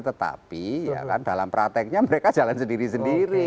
tetapi dalam prakteknya mereka jalan sendiri sendiri